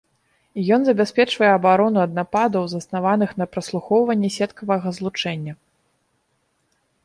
Ён забяспечвае абарону ад нападаў, заснаваных на праслухоўванні сеткавага злучэння.